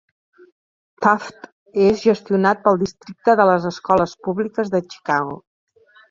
Taft és gestionat pel districte de les escoles públiques de Chicago.